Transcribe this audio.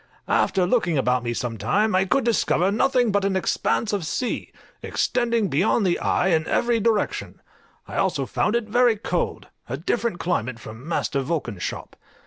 After looking about me some time, I could discover nothing but an expanse of sea, extending beyond the eye in every direction; I also found it very cold, a different climate from Master Vulcan's shop.